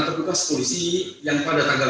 petugas polisi yang pada tanggal